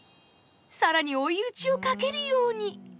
更に追い打ちをかけるように。